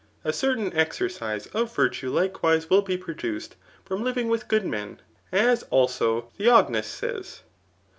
A certain ex ercise of virtue likewise will be produced from living with good mdi, as also Theognis says.